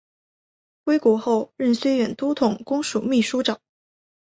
归国后任绥远都统公署秘书长。